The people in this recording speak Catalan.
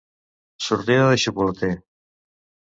Sortida de xocolater.